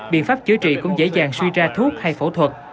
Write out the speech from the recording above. biện pháp chữa trị cũng dễ dàng suy ra thuốc hay phẫu thuật